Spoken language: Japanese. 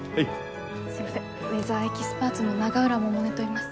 すいませんウェザーエキスパーツの永浦百音といいます。